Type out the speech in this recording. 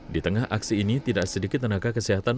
di tengah aksi ini tidak sedikit tenaga kesehatan